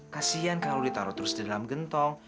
kasian kalau ditaruh terus di dalam gentong